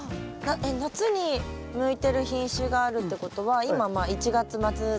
夏に向いてる品種があるってことは今まあ１月末で。